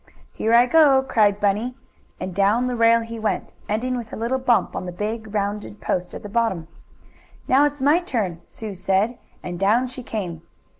"Here I go!" cried Bunny, and down the rail he went, ending with a little bump on the big, round post at the bottom. "Now it's my turn," Sue said, and down she came.